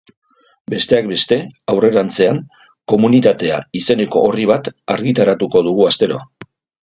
Besteak beste, aurrerantzean Komunitatea izeneko orri bat argitaratuko dugu astero.